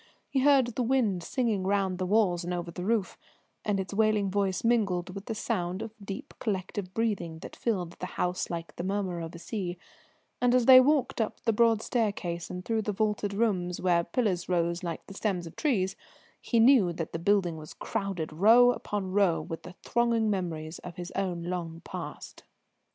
He heard the wind singing round the walls and over the roof, and its wailing voice mingled with the sound of deep, collective breathing that filled the house like the murmur of a sea; and as they walked up the broad staircase and through the vaulted rooms, where pillars rose like the stems of trees, he knew that the building was crowded, row upon row, with the thronging memories of his own long past.